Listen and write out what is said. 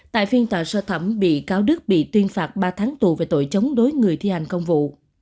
tại phiên tòa sơ thẩm bị cáo đức bị tuyên phạt ba tháng tù về tội chống đối người thi hành công vụ